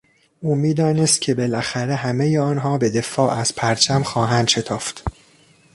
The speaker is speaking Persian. او میدانست که بالاخره همهی آنها به دفاع از پرچم خواهند شتافت.